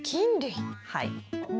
はい。